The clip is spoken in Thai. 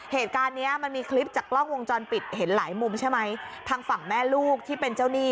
เหตุการณ์เนี้ยมันมีคลิปจากกล้องวงจรปิดเห็นหลายมุมใช่ไหมทางฝั่งแม่ลูกที่เป็นเจ้าหนี้